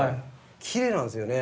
きれいなんですよね。